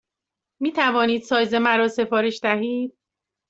می توانید سایز مرا سفارش دهید؟